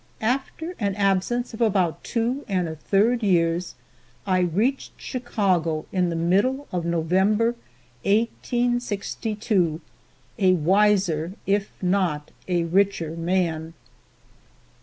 After an absence of about two and a third years, I reached Chicago in the middle of November, 1862, a wiser if not a richer man.